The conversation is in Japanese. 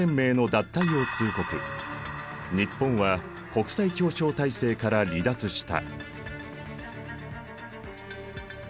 日本は国際協調体制から離脱した。